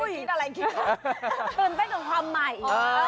คิดอะไรคิดตื่นเต้นกับความใหม่